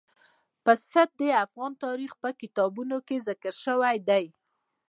پسه د افغان تاریخ په کتابونو کې ذکر شوی دي.